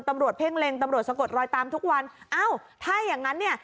เพ่งเล็งตำรวจสะกดรอยตามทุกวันอ้าวถ้าอย่างงั้นเนี่ย